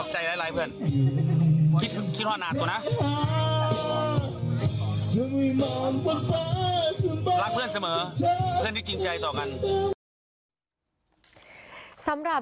เมืองแดดครับ